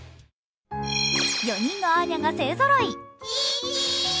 ４人のアーニャが勢ぞろい。